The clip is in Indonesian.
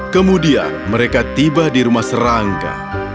kemudian mereka tiba di rumah serangga